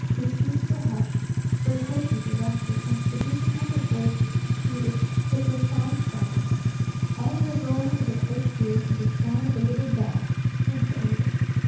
Disputes were hushed, flirtations arrested, and to the busy hum of voices succeeded a profound silence. Only the rolling of the coach wheels and the sound of the little bell were heard.